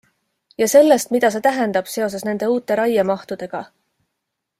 Ja sellest, mida see tähendab seoses nende uute raiemahtudega...